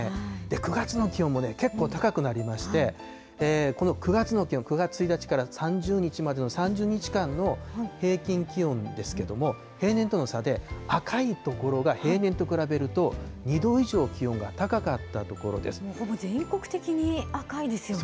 ９月の気温もけっこう高くなりまして、この９月の気温、９月１日から３０日までの３０日間の平均気温ですけれども、平年との差で、赤い所が平年と比べると、２度以ほぼ全国的に赤いですよね。